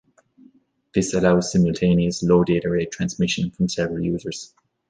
This allows simultaneous low-data-rate transmission from several users.